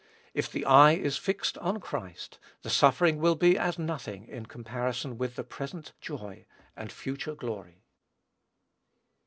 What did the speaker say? If the eye is fixed on Christ, the suffering will be as nothing in comparison with the present joy and future glory.